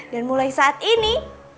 dan mulai saat ini